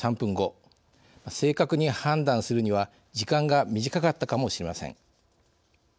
正確に判断するには時間が短かったかもしれません。